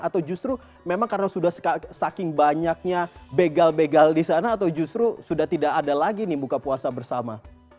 atau justru memang karena sudah saking banyaknya begal begal di sana atau justru sudah tidak ada lagi nih buka puasa bersama